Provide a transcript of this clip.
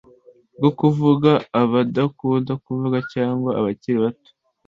rwo kuvuga abadakunda kuvuga cyangwa abakiri bato